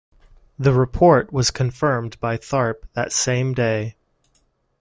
The report was confirmed by Tharpe that same day.